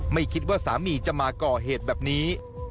ไม่คิดว่าสามีจะมาก่อเหตุแบบนี้